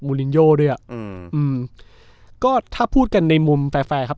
ลินโยด้วยอ่ะอืมอืมก็ถ้าพูดกันในมุมแฟร์แฟร์ครับ